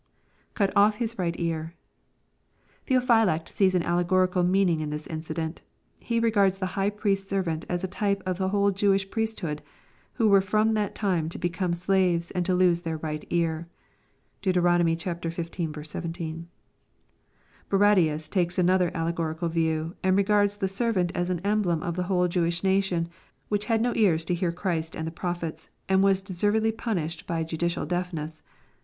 [Ctd off his Tight ear.] Theophylact sees an allegorical meaning in this incident. He regards the high priest's servant as a type of the whole Jewish priesthood, who were from that time to becoma slaves and lose their right ear. (Deut. xv. 17.) Barradius takes another allegorical view, and regards the ser vant as an emblem of the whole Jewish nation, which had no ears to hear Christ and the prophets, and was deservedly punished by judicial deafness.